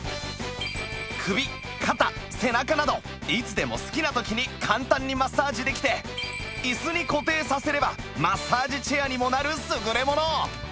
首肩背中などいつでも好きな時に簡単にマッサージできてイスに固定させればマッサージチェアにもなる優れもの！